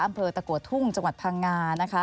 อำเภอตะกัวทุ่งจังหวัดพังงานะคะ